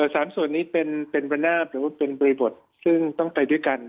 สามส่วนนี้เป็นบรรณาบหรือว่าเป็นบริบทซึ่งต้องไปด้วยกัน